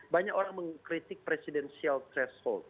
banyak orang mengkritik presidensial threshold